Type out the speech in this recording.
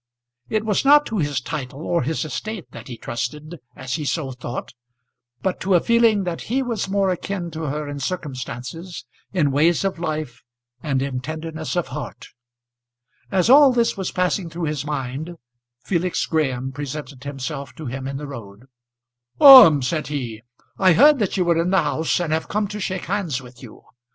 It was not to his title or his estate that he trusted as he so thought, but to a feeling that he was more akin to her in circumstances, in ways of life, and in tenderness of heart. As all this was passing through his mind, Felix Graham presented himself to him in the road. "Orme," said he, "I heard that you were in the house, and have come to shake hands with you.